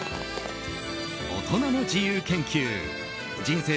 大人の自由研究人生